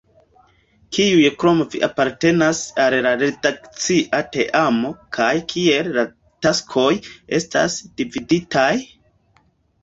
Kiuj krom vi apartenas al la redakcia teamo, kaj kiel la taskoj estas dividitaj?